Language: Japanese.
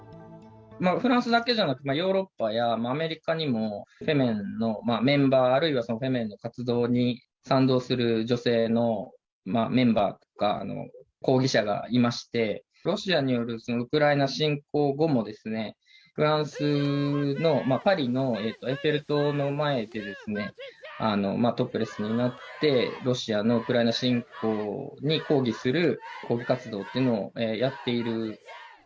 フランスだけじゃなく、ヨーロッパやアメリカにも、フェメンのメンバー、あるいはフェメンの活動に賛同する女性のメンバーや抗議者がいまして、ロシアによるウクライナ侵攻後もフランスのパリのエッフェル塔の前で、トップレスになって、ロシアのウクライナ侵攻に抗議する抗議活動というのをやっている。